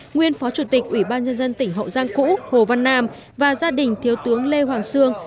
nguyên phó chủ tịch ủy ban nhân dân tỉnh hậu giang cũ hồ văn nam và gia đình thiếu tướng lê hoàng sương